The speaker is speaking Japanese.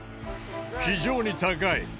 非常に高い。